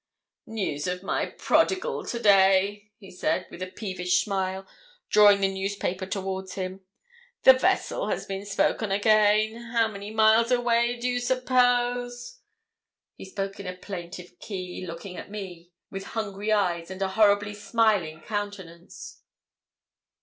'News of my prodigal to day,' he said, with a peevish smile, drawing the newspaper towards him. 'The vessel has been spoken again. How many miles away, do you suppose?' He spoke in a plaintive key, looking at me, with hungry eyes, and a horribly smiling countenance.